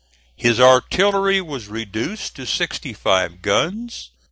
His artillery was reduced to sixty five guns.